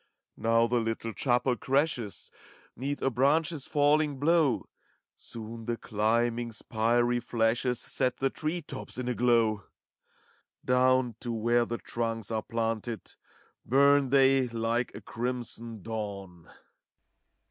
Now the little chapel crashes 'Neath a branch's falling blow; Soon the climbing, spiry flashes Set the tree tops in a glow. Down to where the trunks are planted ACT V, 233 Bum they like a crimson dawn.